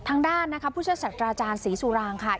ทางด้านผู้เชิญแสตราอาจารย์ศรีสุรางค์ค่ะ